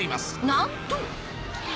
なんと！